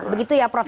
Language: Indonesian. begitu ya prof